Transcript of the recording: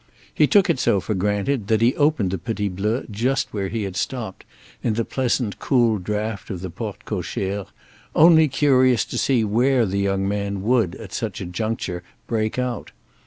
He took it so for granted that he opened the petit bleu just where he had stopped, in the pleasant cool draught of the porte cochère—only curious to see where the young man would, at such a juncture, break out.